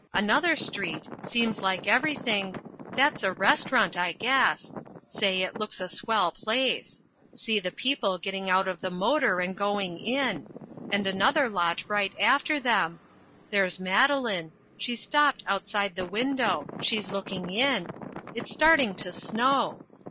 Another street seems like everything that's a restaurant, I guess say, it looks a swell place see the people getting out of the motor and going in and another lot right after them there's Madeline she's stopped outside the window she's looking in it's starting to snow!